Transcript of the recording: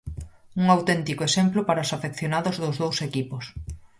Un auténtico exemplo para os afeccionados dos dous equipos.